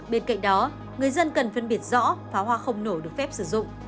bên cạnh đó người dân cần phân biệt rõ pháo hoa không nổ được phép sử dụng